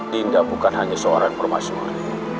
dinda bukan hanya seorang perempuan